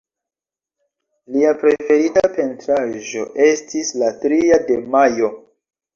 Lia preferita pentraĵo estis La tria de majo.